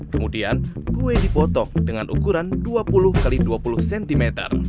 kemudian kue dibotok dengan ukuran dua puluh x dua puluh cm